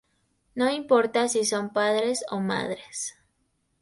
No importa si son padres o madres".